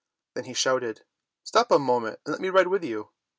" Then he shouted, "Stop a moment, and let me ride with you."